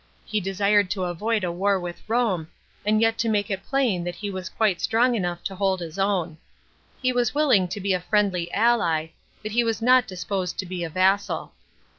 He desired to avoid a war with Rome, and yet to make it plain that he was quite strong enough to hold his own. He was willing to be a friendly ally, but he was not disposed to be a vassal.